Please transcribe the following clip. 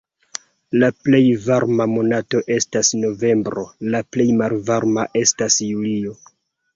La plej varma monato estas novembro, la plej malvarma estas julio.